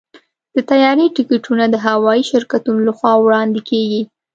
د طیارې ټکټونه د هوايي شرکتونو لخوا وړاندې کېږي.